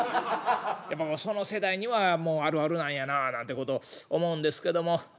やっぱもうその世代にはあるあるなんやなあなんてこと思うんですけども。